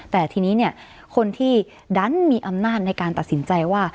แต่ทีนี้คนที่ดันมีอำนาจในการตัดสินใจว่า